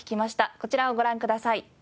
こちらをご覧ください。